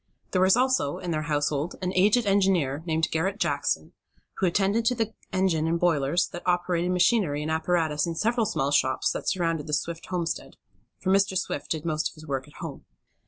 There was also, in their household, an aged engineer, named Garret Jackson, who attended to the engine and boilers that operated machinery and apparatus in several small shops that surrounded the Swift homestead; for Mr. Swift did most of his work at home.